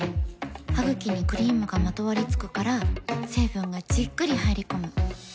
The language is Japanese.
ハグキにクリームがまとわりつくから成分がじっくり入り込む。